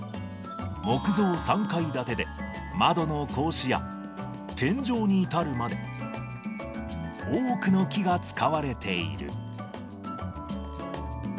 木造３階建で、窓の格子や天井に至るまで、多くの木が使われている。